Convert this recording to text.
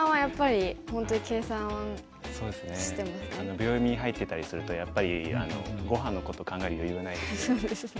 秒読みに入っていたりするとやっぱりごはんのこと考える余裕はないですよね。